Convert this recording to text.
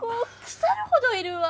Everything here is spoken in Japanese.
腐るほどいるわ。